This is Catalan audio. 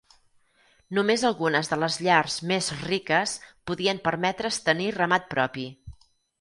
Només algunes de les llars més riques podien permetre's tenir ramat propi.